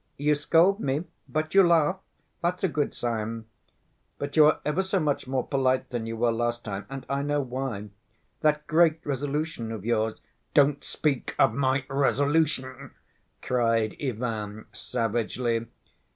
"You scold me, but you laugh—that's a good sign. But you are ever so much more polite than you were last time and I know why: that great resolution of yours—" "Don't speak of my resolution," cried Ivan, savagely.